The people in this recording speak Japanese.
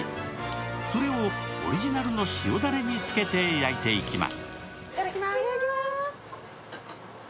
それをオリジナルの塩だれにつけて焼いていきます。